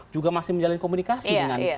juga masih menjalani komunikasi